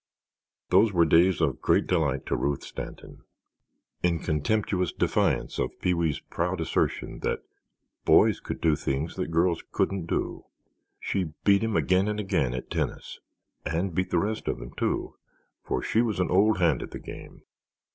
Those were days of great delight to Ruth Stanton. In contemptuous defiance of Pee wee's proud assertion that "boys could do things that girls couldn't do" she beat him again and again at tennis, and beat the rest of them, too, for she was an old hand at the game.